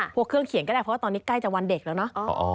พวกเครื่องเขียนก็ได้แบบนี้เก็บวันเด็กแล้วเนอะ